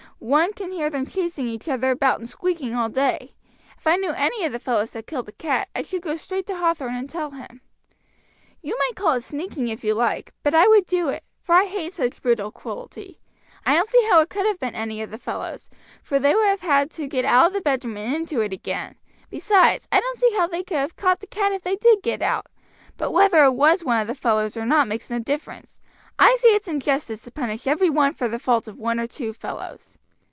One can hear them chasing each other about and squeaking all day. If I knew any of the fellows had killed the cat I should go straight to Hathorn and tell him. "You might call it sneaking if you like, but I would do it, for I hate such brutal cruelty. I don't see how it could have been any of the fellows, for they would have had to get out of the bedroom and into it again; besides, I don't see how they could have caught the cat if they did get out; but whether it was one of the fellows or not makes no difference. I say it's injustice to punish every one for the fault of one or two fellows.